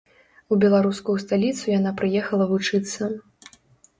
У беларускую сталіцу яна прыехала вучыцца.